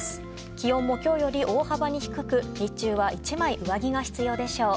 気温も今日より大幅に低く日中は１枚上着が必要でしょう。